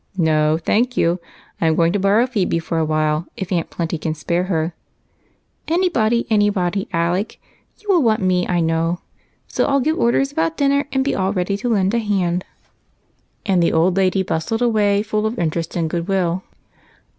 " No, thank you. I 'm going to borrow Phebe for a while, if Aunt Plenty can sj^are her." " Anybody, — any thing, Alec. You will want me, I know, so I'll give orders about dinner and be all ready to lend a hand ;" and the old lady bustled away full of interest and good will.